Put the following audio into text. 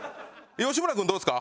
吉村君どうですか？